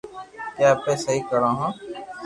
ڪي اپي سھي ڪرو ھون